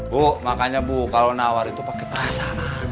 bu makanya bu kalau nawar itu pakai perasa